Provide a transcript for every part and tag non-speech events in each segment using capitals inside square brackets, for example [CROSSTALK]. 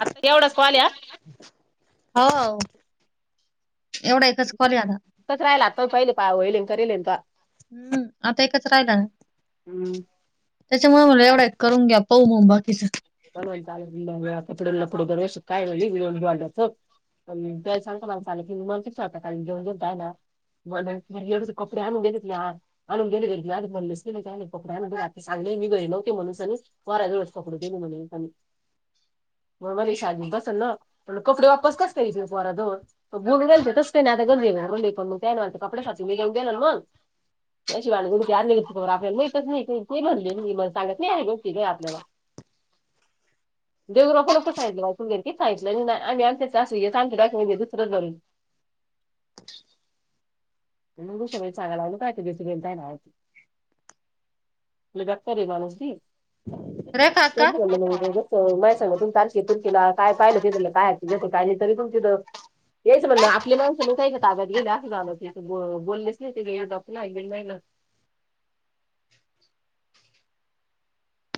आता एवढंचकॉल या हो एवढा एकच कॉल ये आता तोच राहिला तो [UNINTELLIGIBLE] पाहिले पाय होईल तरेल हम्म आता एकच राहिलांन त्याच्यामुळे म्हणलं एवढा एक करून घ्या पाहूं मग बाकीचं आता पर काय म्ह वात [INAUDIBLE] त्या सांगता माणं आले की मण स्वतं घेऊन देऊता आहे ना? ब एवढ कपडे आणून देत यार आणून गेले गे आ म्हणलेस गले, पकड आण ते सांगले मी घरी नव्हते, म्हणूनस आणि पोराजवळच कपडे म्हणे पानी [UNINTELLIGIBLE] मग मला विश्वास बसेना म्हने कपडे वापस कसकाय हिचे पोरा जवळ बुऊ गेल ते तस का नाही. आता गर्दीली प मग त्या नाही कपड्या घेऊन गेल मग याशिवालाुचे आले आपल्याला माहितच नाही का ते म्हणले मी म सांगत नाही आहे. बघती काय आपल्याला [UNINTELLIGIBLE] [UNINTELLIGIBLE] [UNINTELLIGIBLE] [INAUDIBLE] आहे माणूस दी रेखा [INAUDIBLE] आहे अक्का गं मा सांगा [INAUDIBLE] तुला काय पाहिल [INAUDIBLE] हेच म्हणण आपली माणसं दुसऱ्यांच्या ताब्यात गेली असं झालं ते बोललेच नाही ते गे [INAUDIBLE] नाही गं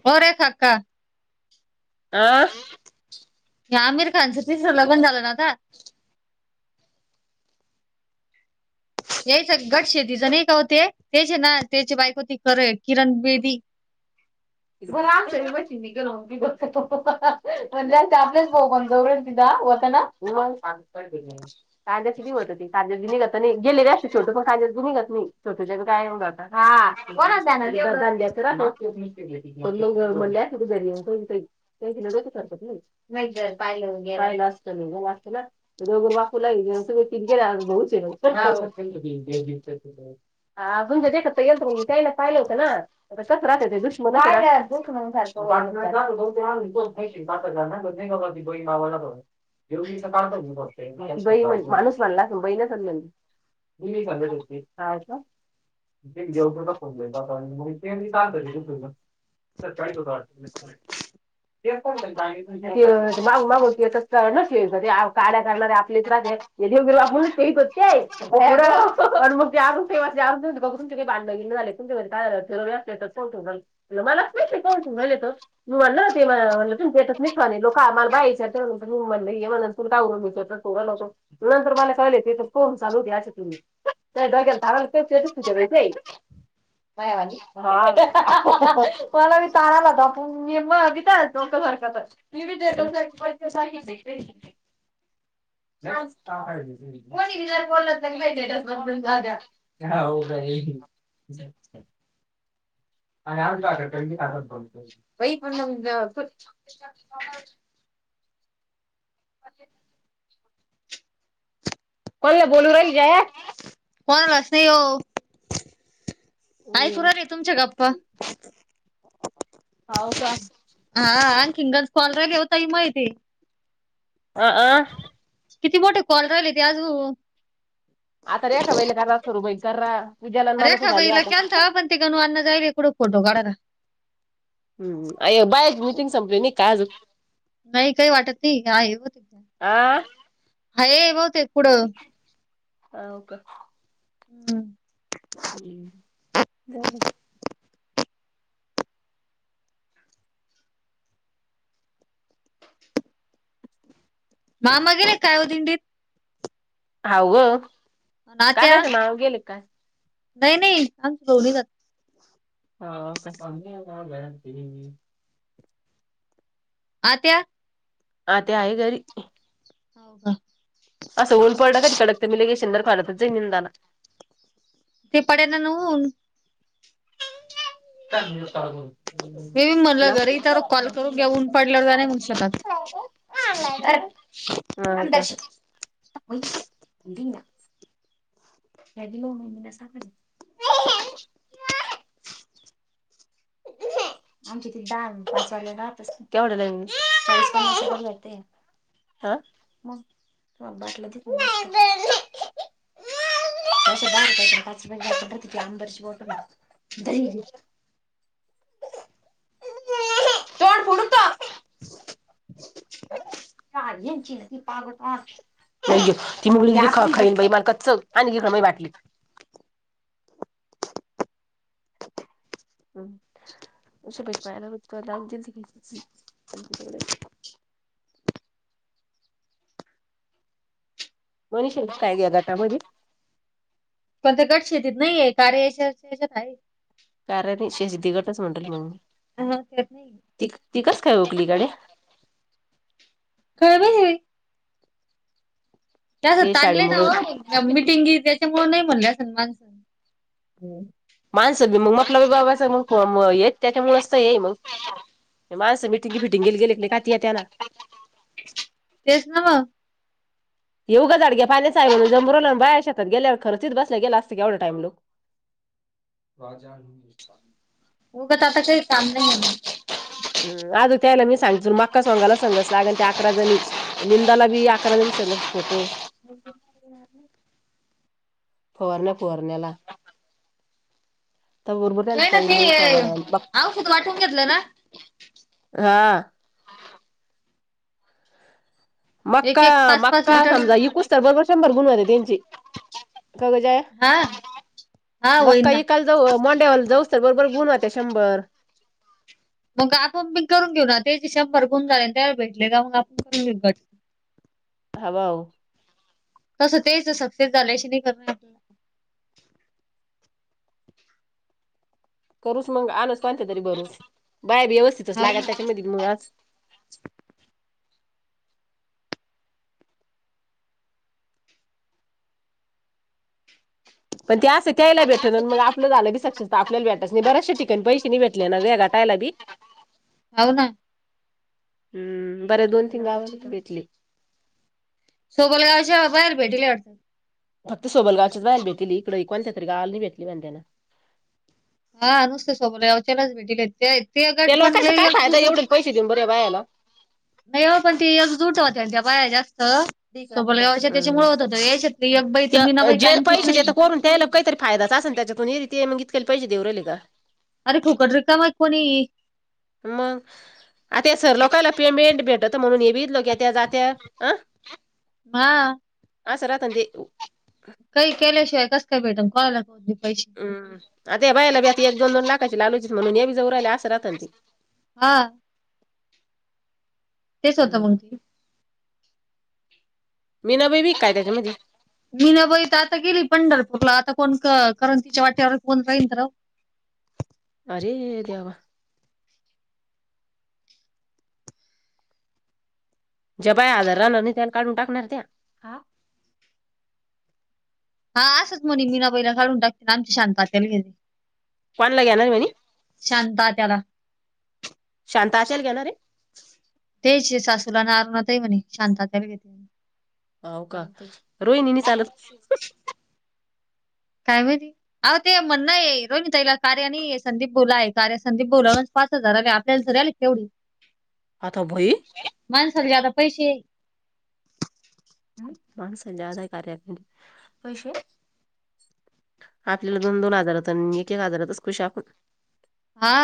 होरे काका आहं आमिर खानचं तिसरं लग्न झालं ना आता. याच गट शेती जण का होते, त्याचे ना त्याची बाईको होती किरण बेदी. [UNINTELLIGIBLE] म्हणजे आपलेच भाऊ [UNINTELLIGIBLE] [INAUDIBLE] नाही. [INAUDIBLE] ते [INAUDIBLE] दिघत नाही गेले असते, छोट पण [INAUDIBLE] दि निघत नाही छोटोशी काय होणार हा बरं [UNINTELLIGIBLE] पण गो लो म्हणल्यात कुठं जरी [UNINTELLIGIBLE] [INAUDIBLE] नाही जर पाहिलं राहिलं असत [INAUDIBLE] दोघर वापू लाे तु गेला बु [UNINTELLIGIBLE] हा म्हणजेत येल तर त्याला पाहिलं होतं ना [INAUDIBLE] नाय नाय बुक म्हणुन [INAUDIBLE] बहीण भावाला [INAUDIBLE] चा काय इथे करतोय माणूस म्हणला [INAUDIBLE] [UNINTELLIGIBLE] [UNINTELLIGIBLE] [UNINTELLIGIBLE] ग माग माग ते नसे ते काड्या करणारे आपलेच राहत्यात [UNINTELLIGIBLE] [INAUDIBLE] भांड घे झाले तुमच्या ठिरवले अस [UNINTELLIGIBLE] [UNINTELLIGIBLE] लोक मला बाईच ते म्हण म म्हण हे म्हण नंतर मला कळलं [INAUDIBLE] त्या [UNINTELLIGIBLE] [UNINTELLIGIBLE] [UNINTELLIGIBLE] कोण [UNINTELLIGIBLE] [UNINTELLIGIBLE] [UNINTELLIGIBLE] कोण ला बोलू रहिच [INAUDIBLE] [UNINTELLIGIBLE] [INAUDIBLE] तुमच्या गप्पा [UNINTELLIGIBLE] हा आ [INAUDIBLE] कॉल [INAUDIBLE] माहिती अ आ किती मोठे कॉल राहिले ते आज आता रे का बेल क सुरू बै करा. पूजाला आणि मला तू रेखा घाली बाईला आता केलता पण ते गणु अण्णा जायली कुठं फोटो काढायला. हम्म बाय मिटिंग संपली नाय का अजून. नाही काही वाटत नाही आहे, आहे बहुतेक ते. हो का हम्म हम्म जाऊ दे. मामा गेले काय हो दिंडीत? हाव ग अन का आत्या कायच मळाव गेले काय. नाही नाही [UNINTELLIGIBLE] जात. हो [INAUDIBLE] मी आ त्या आत्या आहे घरी. हो का. असं ऊन पडलं का कडक ते मी [UNINTELLIGIBLE] जाई निंदाना. ते पडेना ना ऊन. [UNINTELLIGIBLE] मी म्हणलं लाव. घरी तर कॉल करून घेऊन पडल्यावर नाही होऊ शकत. [INAUDIBLE] [UNINTELLIGIBLE] [INAUDIBLE] [INAUDIBLE] हा मग तु [INAUDIBLE] [INAUDIBLE] कान इंची पागता. नाही ती मुगली खन बाई मालकचं आण इकडे माय बाटली. हम् [UNINTELLIGIBLE] म्हणिष हाय काय या गटामध्ये. पण ते गट शेतीत नाही कार्य याशच्यात आहे. कारण शेती गटच म्हणडेल मग मी. [INAUDIBLE] ती ती कसं काय ओकली गड्या. काय ग हे. त्या ते ताणले ना शाळेमुळं हो मिटिंगी त्याच्यामुळं नाही म्हणले असंन माणसं. हमं माणसं मी मग [UNINTELLIGIBLE] त्याच्यामुळेच तर येई मग. माणसं मीटिंगी फिटंगे गेले का ती येतं ना. तेस नव्ह. येवगं जाडग्या पाण्याच आहे म्हण जमरवला बाय शेतात गेल्यावर खर्च बस गला असत की एवढा टाम लोक. राजाजान. उगच आता काही काम नाही आहे ना. हम आज त्यायला मी सांगते मक्का सोगाला सांगस लागण त्या अकरा जणी. निंदाला बी अकरा जनी सांगस फोटो. [INAUDIBLE] फवारण्या फुवारण्याला तवर नाही ना ते औषध वाटून घेतलं ना. हां. मक्का एक एक पाच पाच मक्का लिटर समजा इकूसतर बरोबर शंभर गुणवते त्यांची कवा जाया हा हा होईन मक्का ना इकाला जव मोंड्या वाला जाऊसतर बरोबर गुण होत्यात शंभर मग आपण बी करून घेऊ ना तेचे शंभर गुण झाले त्याला भेटले का मग आपण करून घेऊ [UNINTELLIGIBLE] हाव हाव. तसं तेच सक्सेस झाल्याशी नाही करू करूस मग आणच कोणते तरी बरूस बाया बी व्यवस्थितच हाव लागात ना त्याच्यामध्ये मग आज पण ते असं त्या याला भेटण मग आपलं झालं बी सक्सेस. आपल्याला वेटर्सना बऱ्याचशा ठिकाणी पैसे नाही भेटले ना ग [UNINTELLIGIBLE] बी हाव ना. हम्म बरं दोन तीन गाव घेतली. सोगल गावचे अ बाहेर भेटले वाटतं फक्त सोबल गावाच्या बघायला भेटली इकडे एक कोणत्या तरी गावाला नाही भेटली म्हण त्यांना. हां नुसते सोबल गावच्यालाच भेटीले ते ते त्या गट पण लोकांचा लई काय फायदा एकजूट एवढे पैसे देऊन बरे बायाला नाही हो पण ती एकजुट होते ना त्या बाया जास्त त्या सोबल गावच्या त्याच्यामूळं होत होतं यायच्या ती एक बाई मीनाबाई जे कायमचीच पैसे देत नाही. करून त्याला काहीतरी फायदाचं असन त्याच्यातून येई री ती मग इतकली पैसे देऊ राहिली का? अरे फुकट रिकाम आहे कोणी! मंग. आता या सर लोकांला पेमेंट भेटत म्हणून हे बी लोक येत्या जात्या अं मा अस राहत ना ते. काही केल्याशिवाय कस काय भेटन कोणालपण बी पैसे हम्म आता या बाईयला बी आता एक दोन दोन लाखाची लालूचीत म्हणून हे बी जऊ राहिला, असं राहत ना ती. हां. तेच होतं मंग हम्म ते. मीना बाई बी काय त्याच्यामध्ये? मीना बाई तर आता गेली पंढरपूरला आता कोण करून तिच्या वाट्यावर कोण राहीन तर राहू अरे देवा! ज्या बाया हजर राहणार नाही त्याला काढून टाकणार त्या हा हां असंच म्हणे मीना बाई ला काडून टाकतील आमची शांता आत्याला घेतील. कोणला घेणार आहे म्हणे शांतात्याला. शांता आत्याला घेणारे? तेच सासूला आणि अरुणा ताई म्हणे शांता आत्याला घेतील. हाव का रोहिणी नई चालत! काय माहिती अ ते म्हणणं आहे रोहिणी ताईला कारे आणि संदीप बोलाय कारे संदीप बोला पाच हजार आणि आपल्याला तर आलेत केवढी आता भोई माणसाला बी आता पैसे ह माणसांनी आलाय कार्याकंड पैसे आपल्याला दोन दोन हजारात आणि एक एक हजारातच खुश आपण मा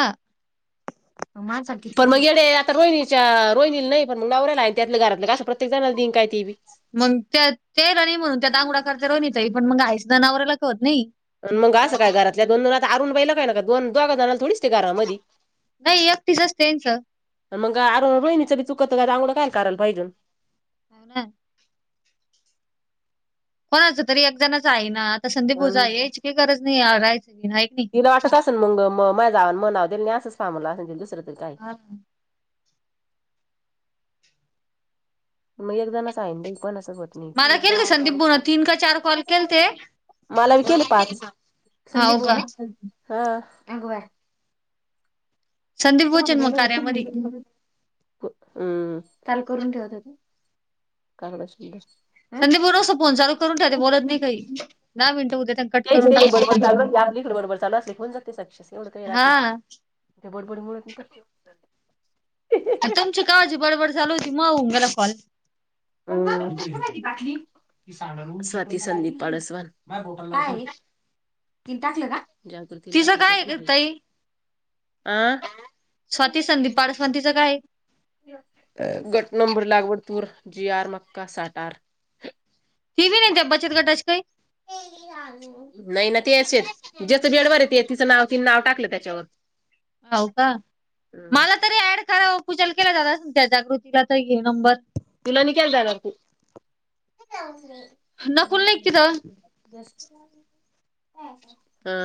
माणसांन किती पण, मग येडे आता रोहिणीच्या रोहिणीला नाही पण नवऱ्या त्यातल आहे त्यातलं घरातलं का असं प्रत्येक जाणला दीन काय ती बी मग त्या तेला नाही म्हणून त्या दांगुडा खर्च रोहिणीचा आहे, पण मग आईस तिच्या नवऱ्याला कळत नाही. मग असं काय घरातल्या दोन जण आरू न हिला काय न दोन दोगघ जणाला थोडीच ते घरामध्ये नाही एकटीस असतेचं ना इथं मग आरु न रोहिणीच बी चुकतं [INAUDIBLE] कारण पाहिजून [INAUDIBLE] कोणाचं तरी एक जणच आहे ना आता संदीप भाऊजा अन याची काही गरज नाहीयचं ना एक नाही तिला वाटत असे मग म माझ जावन म्हनाव देल नाही असं [INAUDIBLE] हा [INAUDIBLE] मग एकजणच आहे [INAUDIBLE] मला केलते संदीप बुन तीन का चार कॉल केलते मला बी केले पाच. संदीप हो भाऊ का ना [INAUDIBLE] संदीप का बोचन मग बोलां कार्यामध्ये [INAUDIBLE] हम्म त्याला करून ठेवत ते [INAUDIBLE] संदीप भाऊ नुसतं फोन चालू करून ठेवते बोलत नाही काही दहा मिनिट हा [INAUDIBLE] [INAUDIBLE] तुमची कवाची बडबड चालू होती मग होऊन गेला कॉल.. [INAUDIBLE] तिचं काय आहे ग ताई [INAUDIBLE] आ स्वाती संदीप [INAUDIBLE] काय [UNINTELLIGIBLE] ही नाही त्या बचत गटाची काही नाही ना ते असच ज्याचं बेडवर येत तिचं नाव ति नाव टाकलं त्याच्यावर. हो का हम्म मला तरी ऍड करा पूजा केल्या जात अस ना त्या जागृतीला तर नंबर. तुला न के जाला तू. नकुल नाही का तिथं हा..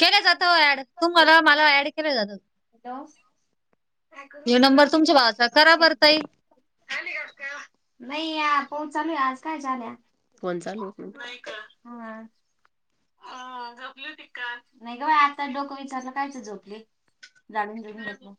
केलं जातं ऍड तू मला मला ऍड केलं जातं. हॅलो. ह्यो नंबर तुमच्या भावाचा आहे करा बर ताई. [UNINTELLIGIBLE] फोन चालू [UNINTELLIGIBLE] झाडून घेतलं.